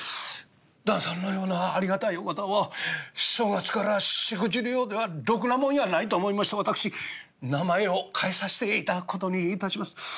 旦さんのようなありがたいお方を正月からしくじるようではロクなもんやないと思いまして私名前を変えさせて頂く事に致します。